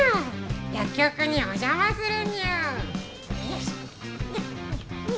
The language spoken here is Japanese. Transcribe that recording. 薬局にお邪魔するにゅ。